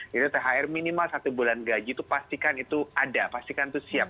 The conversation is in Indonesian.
jadi thr minimal satu bulan gaji itu pastikan itu ada pastikan itu siap